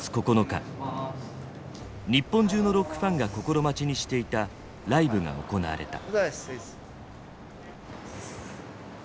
日本中のロックファンが心待ちにしていたライブが行われた。